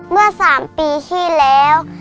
เมื่อ๓ปีที่แล้ว